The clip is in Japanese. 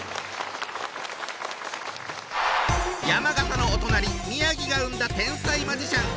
山形のお隣宮城が生んだ天才マジシャン！